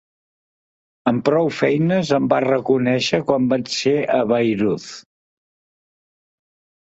Amb prou feines em va reconèixer quan vaig ser a Bayreuth.